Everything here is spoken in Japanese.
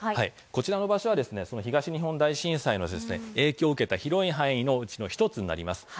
こちらの場所は東日本大震災の影響を受けた広い範囲のうちの一つになります。